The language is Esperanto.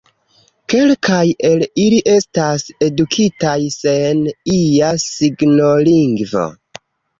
Kelkaj el ili estas edukitaj sen ia signolingvo.